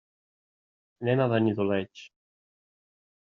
Anem a Benidoleig.